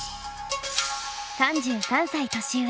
３３歳年上。